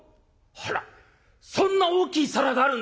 「あらそんな大きい皿があるんですか？」。